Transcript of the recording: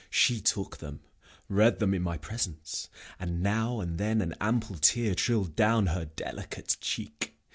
She took them, read them in my presence, And now and then an ample tear trill'd down Her delicate cheek.